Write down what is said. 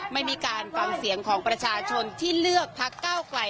ไม่มีการฟังเสียงของประชาชนที่เลือกพักเก้าไกล